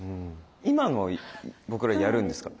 今の僕らやるんですか？